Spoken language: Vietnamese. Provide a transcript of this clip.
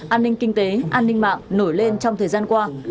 an ninh kinh tế an ninh mạng nổi lên trong thời gian qua